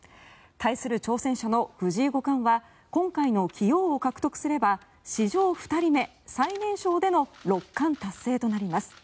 対する挑戦者の藤井五冠は今回の棋王を獲得すれば史上２人目、最年少での六冠達成となります。